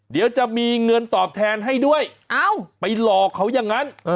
เดี๋ยวจะมีเงินตอบแทนให้ด้วยไปหลอกเขาอย่างนั้น